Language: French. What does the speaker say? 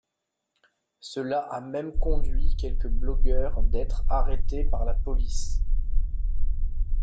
Cela a même conduit quelques blogueurs d'être arrêtés par la police.